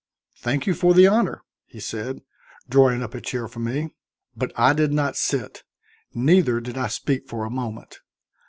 "Thank you for the honor," he said, drawing up a chair for me. But I did not sit, neither did I speak for a moment.